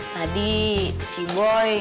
tadi si boy